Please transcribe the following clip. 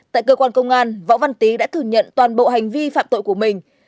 tại cơ quan công an võ văn tý đã thừa nhận toàn bộ hành vi phạm tội của mình